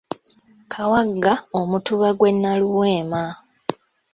Kawagga Omutuba gw'e Nnaluweema.